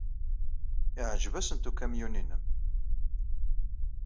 Yeɛjeb-asent ukamyun-nnem.